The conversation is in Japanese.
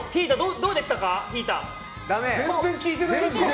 どうでした？